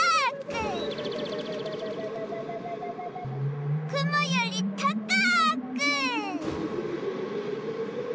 くもよりたかく！